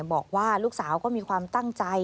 บอกว่าลูกสาวก็มีความตั้งใจ